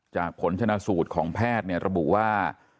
ผลชนะสูตรของแพทย์ระบุว่า